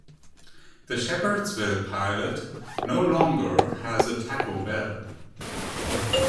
The Shepherdsville Pilot no longer has a Taco Bell.